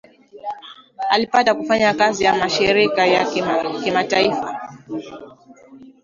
Alipata kufanya kazi na mshirika ya kimataifa